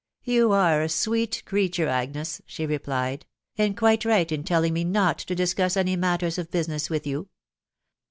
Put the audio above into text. " You are a sweet creature, Agnes," she replied, " and quite right in telling me not to discuss any matters of business with you.